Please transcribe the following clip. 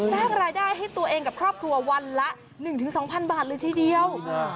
สร้างรายได้ให้ตัวเองกับครอบครัววันละ๑๒๐๐๐บาทเลยทีเดียว